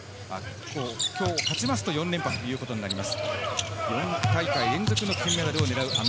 今日勝ちますと、４連覇ということになります。